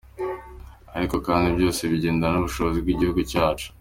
Ariko kandi byose bigendana n’ubushobozi bw’igihugu cyacu.